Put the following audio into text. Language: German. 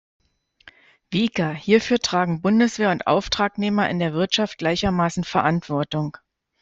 Wieker: „Hierfür tragen Bundeswehr und Auftragnehmer in der Wirtschaft gleichermaßen Verantwortung“.